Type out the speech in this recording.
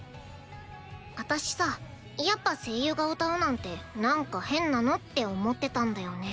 私さやっぱ声優が歌うなんてなんか変なのって思ってたんだよね。